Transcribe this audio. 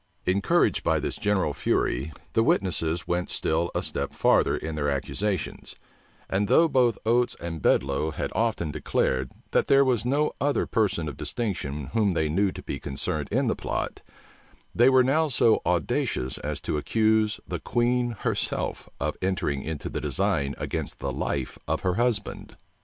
Encouraged by this general fury, the witnesses went still a step farther in their accusations; and though both Oates and Bedloe had often declared, that there was no other person of distinction whom they knew to be concerned in the plot, they were now so audacious as to accuse the queen herself of entering into the design against the life of her husband.